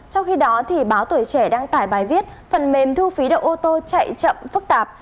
trong khi đó báo tuổi trẻ đăng tải bài viết phần mềm thu phí đậu ô tô chạy chậm phức tạp